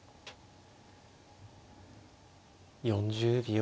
４０秒。